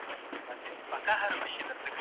ښځو ته د زده کړې حق ورکړئ.